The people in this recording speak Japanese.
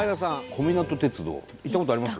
小湊鉄道行ったことあります？